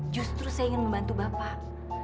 justru saya ingin membantu bapak